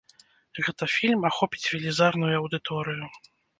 Гэта фільм ахопіць велізарную аўдыторыю.